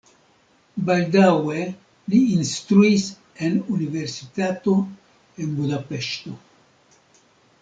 Baldaŭe li instruis en universitato en Budapeŝto.